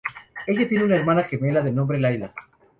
Ella tiene una hermana gemela de nombre Layla.